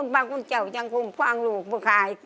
คุณปั๊กคุณเจ้าจังคุมควังลูกปุ๊กคาย